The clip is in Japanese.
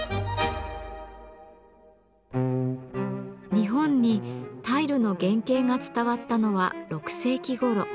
日本にタイルの原型が伝わったのは６世紀ごろ。